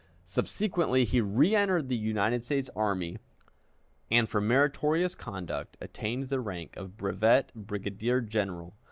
Subsequently he reëntered the United States Army, and for meritorious conduct attained the rank of brevet brigadier general.